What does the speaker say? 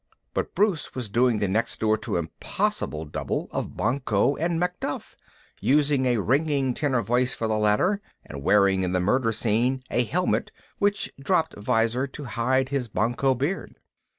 But Bruce was doing the next door to impossible double of Banquo and Macduff, using a ringing tenor voice for the latter and wearing in the murder scene a helmet with dropped visor to hide his Banquo beard.